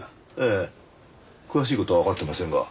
ええ詳しい事はわかっていませんが。